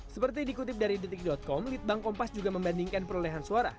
seperti dikutip dari detik com litbang kompas juga membandingkan perolehan suara